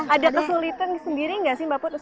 ada kesulitan sendiri nggak sih mbak putus